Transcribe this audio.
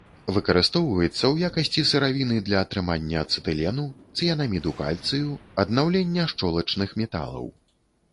Выкарыстоўваецца ў якасці сыравіны для атрымання ацэтылену, цыянаміду кальцыю, аднаўлення шчолачных металаў.